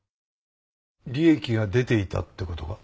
利益が出ていたって事か？